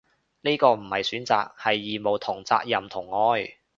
呢個唔係選擇，係義務同責任同愛